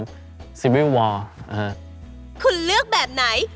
คุณเลือกแบบไหน